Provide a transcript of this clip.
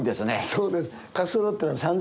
そうです。